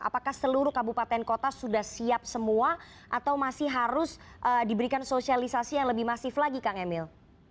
apakah seluruh kabupaten kota sudah siap semua atau masih harus diberikan sosialisasi yang lebih masif lagi kang emil